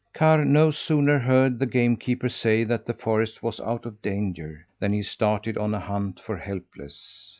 Karr no sooner heard the game keeper say that the forest was out of danger than he started on a hunt for Helpless.